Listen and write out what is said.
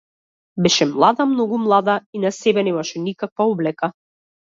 Беше млада, многу млада, и на себе немаше никаква облека.